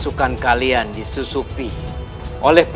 sambil anda terima pada infrastruktur selanjutnya